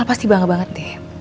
pasti bangga banget deh